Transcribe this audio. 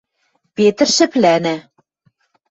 Петр шӹплӓнӓ.